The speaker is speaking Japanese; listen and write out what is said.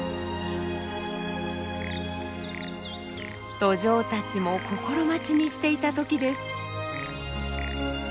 ドジョウたちも心待ちにしていた時です。